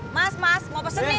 mas mas mau pesen nih